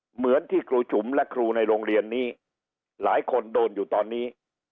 เหมือนที่ครูจุ๋มและครูในโรงเรียนนี้หลายคนโดนอยู่ตอนนี้